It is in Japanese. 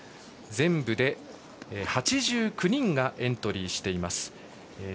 全部で８９人がエントリーしています。